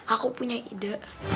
aku punya ide